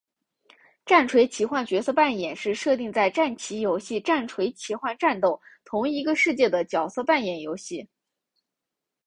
战锤奇幻角色扮演是设定在战棋游戏战锤奇幻战斗同一个世界的角色扮演游戏。